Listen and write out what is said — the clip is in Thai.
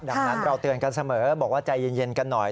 ดังนั้นเราเตือนกันเสมอบอกว่าใจเย็นกันหน่อย